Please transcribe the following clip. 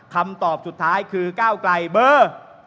คำตอบสุดท้ายคือก้าวไกลเบอร์